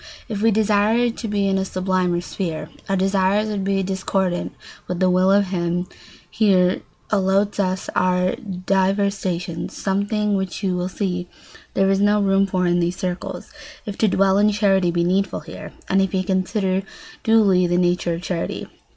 If we desired to be in a sublimer sphere, our desires would be discordant with the will of him who here allots us our divers stations—something which you will see there is no room for in these circles, if to dwell in charity be needful here, and if you consider duly the nature of charity.